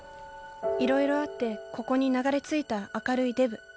いろいろあってここに流れ着いた明るいデブ。